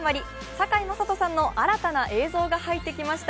堺雅人さんの新たな映像が入ってきました。